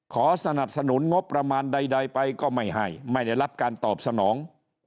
ขอสนับสนุนงบประมาณใดไปก็ไม่ให้ไม่ได้รับการตอบสนอง